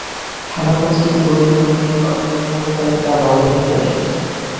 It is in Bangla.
সাদা প্লাস্টিক বোর্ডের ওপর নীল হরফের মূল্য তালিকা হলদে হয়ে এসেছে।